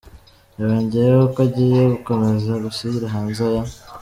Yongeyeho ko agiye gukomeza gushyira hanze aya